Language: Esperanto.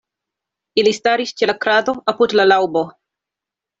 Ili staris ĉe la krado, apud la laŭbo.